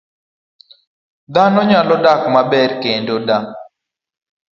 Dhano nyalo dak maber kendo da